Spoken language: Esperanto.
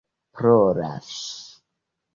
ploras